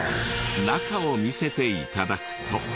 中を見せて頂くと。